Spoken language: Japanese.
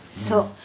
そう。